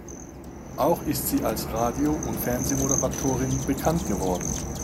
Auch ist sie als Radio- und Fernsehmoderatorin bekannt geworden.